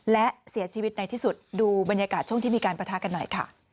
และเสียชีวิตในที่สุดดูบรรยากาศช่วงที่มีการประทะกันหน่อยค่ะ